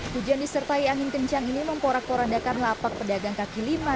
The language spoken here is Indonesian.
hujan disertai angin kencang ini memporak porandakan lapak pedagang kaki lima